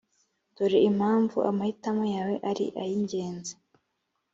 dore impamvu amahitamo yawe ari ay’ingenzi